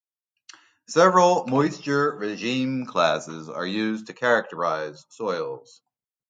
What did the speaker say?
Several moisture regime classes are used to characterize soils.